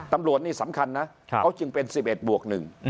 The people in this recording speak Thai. ตำรวจนี่สำคัญนะเขาจึงเป็น๑๑บวก๑